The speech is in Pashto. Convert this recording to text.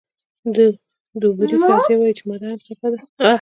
د دوبروی فرضیه وایي چې ماده هم څپه ده.